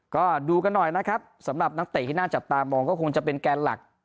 ก็ดูกันหน่อยนะครับสำหรับนักเตะที่น่าจับตามองก็คงจะเป็นแกนหลัก